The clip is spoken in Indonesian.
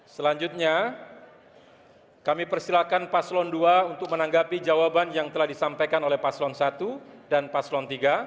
selanjutnya kami persilahkan paslon dua untuk menanggapi jawaban yang telah disampaikan oleh paslon satu dan paslon tiga